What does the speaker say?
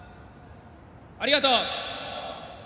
ありがとう。